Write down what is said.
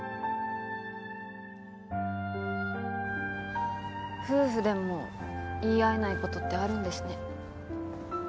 はぁ夫婦でも言い合えないことってあるんですね。